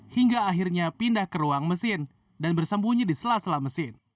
hingga akhirnya pindah ke ruang mesin dan bersembunyi di sela sela mesin